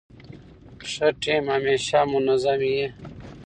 ښه ټیم همېشه منظم يي.